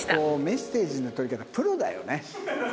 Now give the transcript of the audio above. メッセージの撮り方プロだよね。